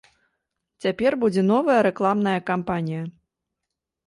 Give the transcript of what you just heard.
Цяпер будзе новая рэкламная кампанія.